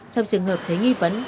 trong trường hợp thấy nghi vấn